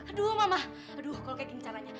aduh mama aduh kalau kayak gini caranya